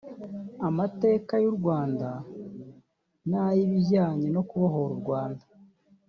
Amateka y’u Rwanda n’ay’ibijyanye no kubohora u Rwanda